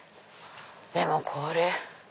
でもこれ。